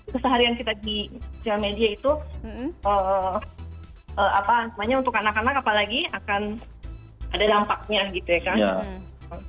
keseharian kita di sosial media itu apa namanya untuk anak anak apalagi akan ada dampaknya gitu ya kang